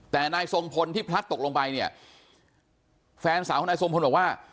แต่นายทรงพลที่พลัดตกลงไปเนี่ยแฟนสาวของนายทรงพลบอกว่า